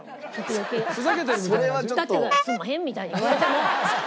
だって「すんまへん」みたいに言われてもねっ？